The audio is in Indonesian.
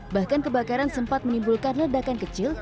bahkan kebakaran sempat menimbulkan ledakan kecil